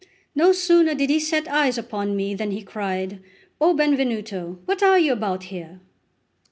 No sooner did he set eyes upon me than he cried: "O Benvenuto! what are you about here?"